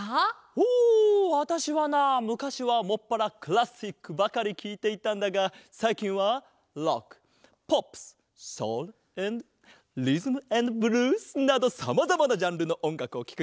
ほわたしはなむかしはもっぱらクラシックばかりきいていたんだがさいきんはロックポップスソウルアンドリズム・アンド・ブルースなどさまざまなジャンルのおんがくをきくようになったぞ。